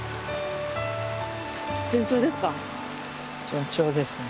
順調ですか？